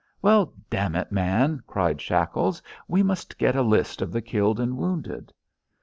"Well, damn it, man!" cried Shackles, "we must get a list of the killed and wounded."